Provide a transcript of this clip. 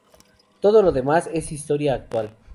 Todo lo demás es historia actual.